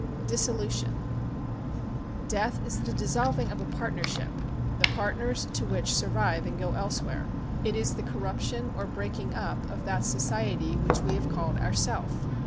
Dissolution Death is the dissolving of a partnership, the partners to which survive and go elsewhere. It is the corruption or breaking up of that society which we have called Ourself.